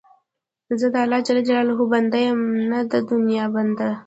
زه د الله جل جلاله بنده یم، نه د دنیا بنده.